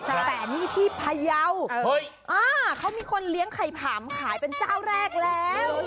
แต่นี่ที่พยาวเขามีคนเลี้ยงไข่ผำขายเป็นเจ้าแรกแล้ว